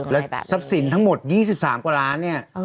แล้วทรัพย์สินทั้งหมด๒๓กว่าล้านเนี่ย